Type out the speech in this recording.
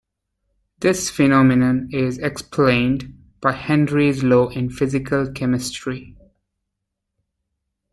This phenomenon is explained by Henry's Law in physical chemistry.